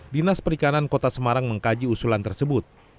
dinas perikanan kota semarang mengkaji usulan tersebut